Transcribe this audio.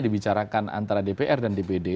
dibicarakan antara dpr dan dpd